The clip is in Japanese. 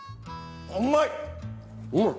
うまい！